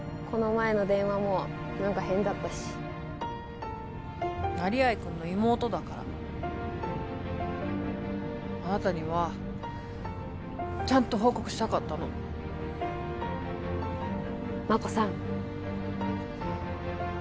この前の電話も何か変だったし成合くんの妹だからあなたにはちゃんと報告したかったの真子さん